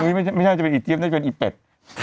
ไม่ใช่จะเป็นอีเจี๊ยน่าจะเป็นอีเป็ด